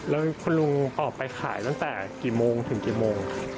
แล้วคุณลุงออกไปขายตั้งแต่กี่โมงถึงกี่โมง